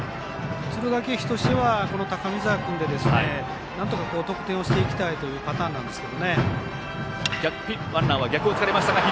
敦賀気比としてはこの高見澤君で得点をしていきたいパターンなんですが。